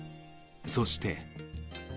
そして。